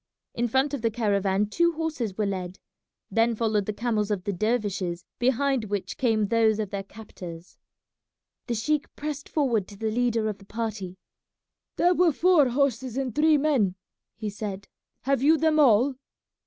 In front of the caravan two horses were led; then followed the camels of the dervishes, behind which came those of their captors. The sheik pressed forward to the leader of the party. "There were four horses and three men," he said; "have you them all?"